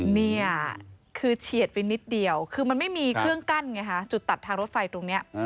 นี่คือเฉียดไปนิดเดียวคือมันไม่มีเครื่องกั้นไงฮะจุดตัดทางรถไฟตรงนี้